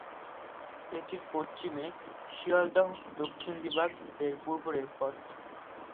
এটির পশ্চিমে শিয়ালদহ দক্ষিণ বিভাগ এর পূর্ব রেলপথ।